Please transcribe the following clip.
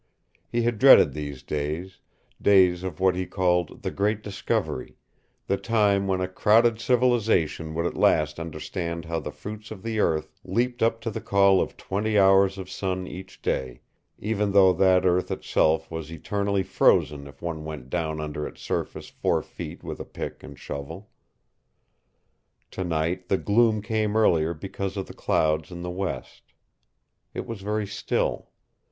He had dreaded these days days of what he called "the great discovery" the time when a crowded civilization would at last understand how the fruits of the earth leaped up to the call of twenty hours of sun each day, even though that earth itself was eternally frozen if one went down under its surface four feet with a pick and shovel. Tonight the gloom came earlier because of the clouds in the west. It was very still.